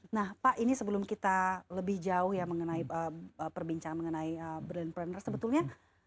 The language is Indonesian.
nah pak ini sebelum kita lebih jauh ya mengenai perbincang mengenai brilliant partner sebetulnya